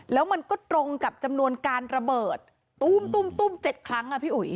แล้วมันก็ตรงกับจำนวนการระเบิดตุ้ม๗ครั้งอ่ะพี่อุ๋ย